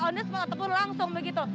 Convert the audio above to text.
on the spot ataupun langsung begitu